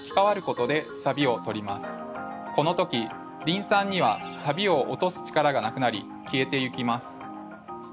この時リン酸にはサビを落とす力がなくなり消えていきます。